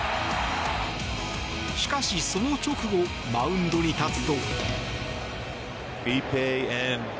しかし、その直後マウンドに立つと。